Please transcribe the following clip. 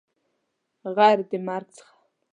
غیر د مرګ څخه